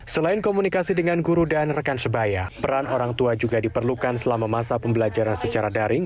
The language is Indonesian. selain komunikasi dengan guru dan rekan sebaya peran orang tua juga diperlukan selama masa pembelajaran secara daring